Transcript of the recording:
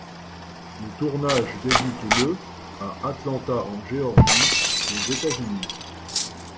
Le tournage débute le à Atlanta en Géorgie, aux États-Unis.